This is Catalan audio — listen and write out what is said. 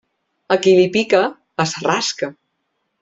A qui li pica, es rasca.